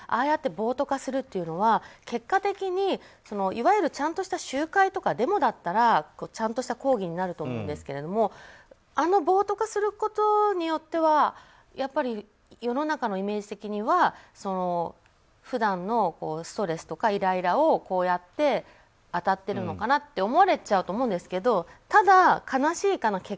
やって暴徒化するというのは結果的にいわゆるちゃんとした集会とかデモだったらちゃんとした抗議になると思うんですけれどもあの暴徒化することによっては世の中のイメージ的には普段のストレスとかイライラをこうやって当たっているのかなって思われちゃうと思うんですけどただ悲しいかな